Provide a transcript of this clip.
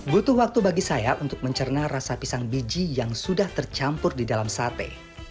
butuh waktu bagi saya untuk mencerna rasa pisang biji yang sudah tercampur di dalam sate